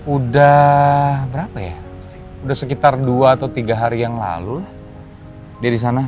udah berapa ya udah sekitar dua atau tiga hari yang lalu dia di sana